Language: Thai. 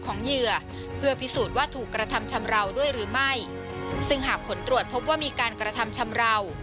เหยื่อเพื่อพิสูจน์ว่าถูกกระทำชำราวด้วยหรือไม่ซึ่งหากผลตรวจพบว่ามีการกระทำชำราว